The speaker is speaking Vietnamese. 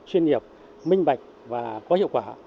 chuyên nghiệp minh bạch và có hiệu quả